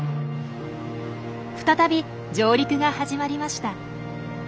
再び上陸が始まりました。